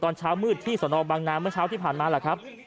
ตอนเช้ามืดที่สนบังนาเมื่อเช้าที่ผ่านมาแหละครับ